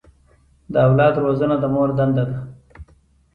د اولاد روزنه د مور دنده ده.